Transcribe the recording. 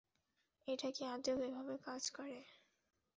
এটা কি আদৌ এভাবে কাজ করে?